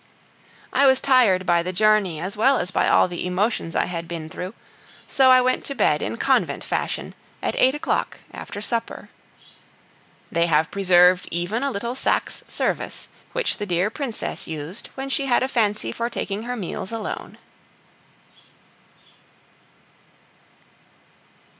I was tired by the journey as well as by all the emotions I had been through, so I went to bed in convent fashion, at eight o'clock after supper. They have preserved even a little Saxe service which the dear Princess used when she had a fancy for taking her meals alone.